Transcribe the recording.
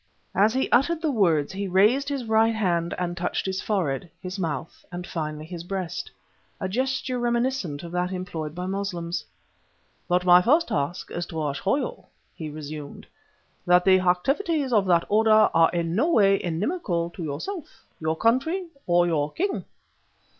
As he uttered the words he raised his right hand and touched his forehead, his mouth, and finally his breast a gesture reminiscent of that employed by Moslems. "But my first task is to assure you," he resumed, "that the activities of that Order are in no way inimical to yourself, your country or your King.